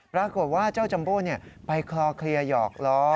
ปรากฏว่าเจ้าจัมโบ้ไปคลอเคลียร์หยอกล้อ